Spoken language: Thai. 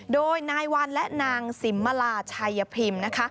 โดยนายวันและนางสิมลาชัยพิมพ์นะคะ